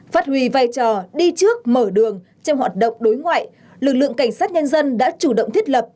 phát huy vai trò đi trước mở đường trong hoạt động đối ngoại lực lượng cảnh sát nhân dân đã chủ động thiết lập